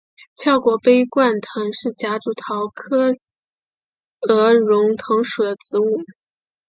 翅果杯冠藤是夹竹桃科鹅绒藤属的植物。